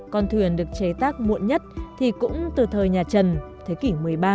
con thuyền được chế tác muộn nhất thì cũng từ thời nhà trần thế kỷ một mươi ba